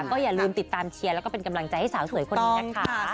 ก็อย่าลืมติดตามเชียร์แล้วก็เป็นกำลังใจให้สาวสวยคนนี้นะคะ